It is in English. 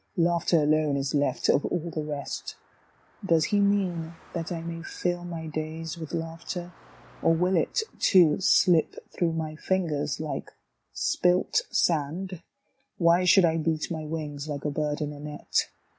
Laughter alone Is left of all the rest. Does He mean that I may fill my days with laughter, Or will it, too, slip through my fingers like spilt sand? Why should I beat my wings like a bird in a net.